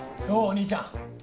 兄ちゃん。